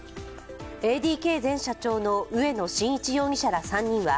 ＡＤＫ前社長の植野伸一容疑者ら３人は